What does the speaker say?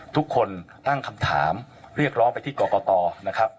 ทุกคนตั้งคำถามเรียกร้องไปที่กรกตนะครับ